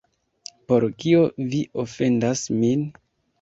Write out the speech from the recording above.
Por kio vi ofendas min?